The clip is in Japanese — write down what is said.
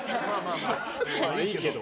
いいけど。